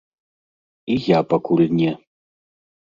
І я пакуль не.